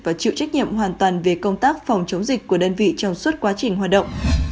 và chịu trách nhiệm hoàn toàn về công tác phòng chống dịch của đơn vị trong suốt quá trình hoạt động